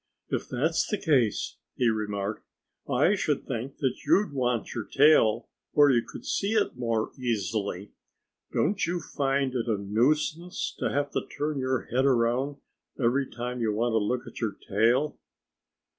"If that's the case," he remarked, "I should think you'd want your tail where you could see it more easily. Don't you find it a nuisance to have to turn your head around every time you want to look at your tail?"